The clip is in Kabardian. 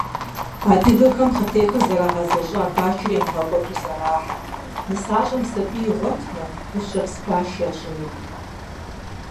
Адыгэхэм хъытехыр зэрагъэзэщӏа башыр ямыгъэкӀуэду зэрахьэрт, нысащӀэм сабий игъуэтмэ, гущэпс баш ящӀыну.